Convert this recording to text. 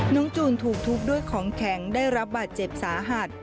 จูนถูกทุบด้วยของแข็งได้รับบาดเจ็บสาหัส